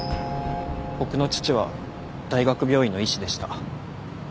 僕の父は大学病院の医師でした。